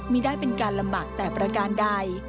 ไม่ได้เป็นการลำบากแต่ประการใด